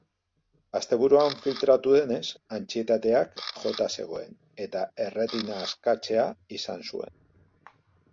Asteburuan filtratu denez, antsietateak jota zegoen, eta erretina-askatzea izan zuen.